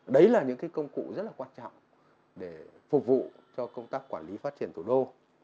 đấy là những công cụ rất là quan trọng để phục vụ cho công tác quản lý phát triển thủ đô